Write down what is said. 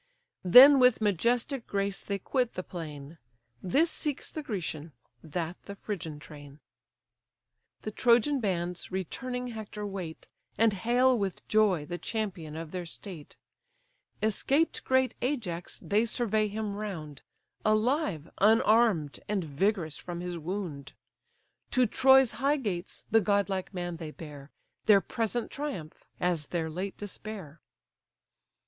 Then with majestic grace they quit the plain; This seeks the Grecian, that the Phrygian train. The Trojan bands returning Hector wait, And hail with joy the Champion of their state; Escaped great Ajax, they survey him round, Alive, unarm'd, and vigorous from his wound; To Troy's high gates the godlike man they bear Their present triumph, as their late despair.